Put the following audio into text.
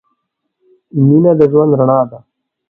مینه د ژوند رڼا ده.